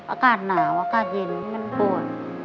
อากาศหนาวอากาศเย็นมันปวด